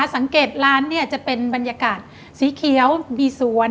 สังเกตร้านจะเป็นบรรยากาศสีเขียวมีสวน